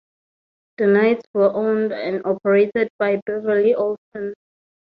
The Knights were owned and operated by Beverly Olson.